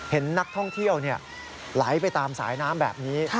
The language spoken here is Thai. เห็นนักท่องเที่ยวไหลไปตามสายน้ำแบบนี้